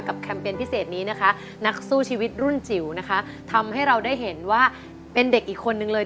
แคมเปญพิเศษนี้นะคะนักสู้ชีวิตรุ่นจิ๋วนะคะทำให้เราได้เห็นว่าเป็นเด็กอีกคนนึงเลย